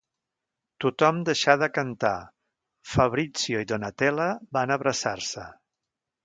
Tothom deixà de cantar; Fabrizio i Donatella van abraçar-se.